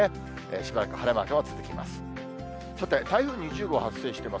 しばらく晴れマークも続きます。